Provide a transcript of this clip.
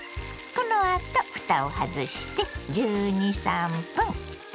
このあとふたを外して１２１３分。